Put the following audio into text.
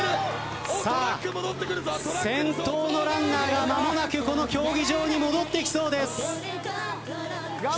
さあ先頭のランナーが間もなくこの競技場に戻ってきそうです。